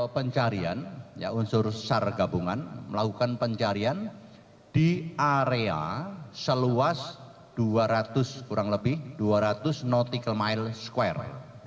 pencarian unsur sar gabungan melakukan pencarian di area seluas dua ratus nautical mile square